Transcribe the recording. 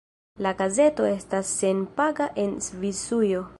La gazeto estas senpaga en Svisujo.